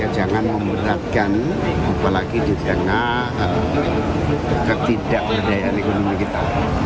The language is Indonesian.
jangan memberatkan apalagi di tengah ketidakberdayaan ekonomi kita